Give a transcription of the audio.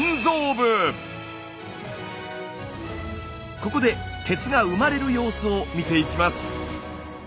ここで鉄が生まれる様子を見ていきます。